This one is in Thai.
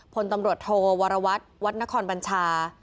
พลตำรวจโทวรวัตรวัดนครบัญชา